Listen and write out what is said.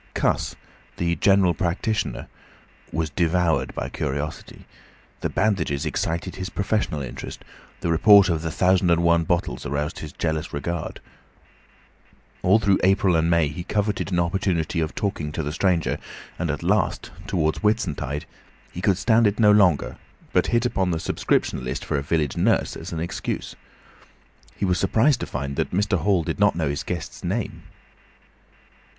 Cuss, the general practitioner, was devoured by curiosity. The bandages excited his professional interest, the report of the thousand and one bottles aroused his jealous regard. All through April and May he coveted an opportunity of talking to the stranger, and at last, towards Whitsuntide, he could stand it no longer, but hit upon the subscription list for a village nurse as an excuse. He was surprised to find that Mr. Hall did not know his guest's name.